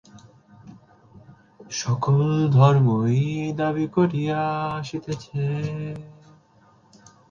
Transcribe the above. সকল ধর্মই এই দাবী করিয়া আসিতেছেন।